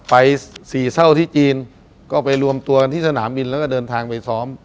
สี่เศร้าที่จีนก็ไปรวมตัวกันที่สนามบินแล้วก็เดินทางไปซ้อม